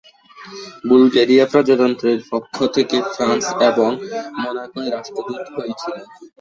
Bulgaria প্রজাতন্ত্রের পক্ষ থেকে ফ্রান্স এবং মোনাকোয় রাষ্ট্রদূত হয়েছিলেন।